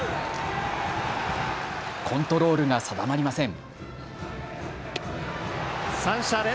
コントロールが定まりません。